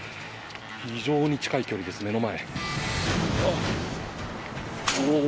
非常に近い距離です、目の前。